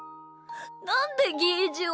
なんでゲージは。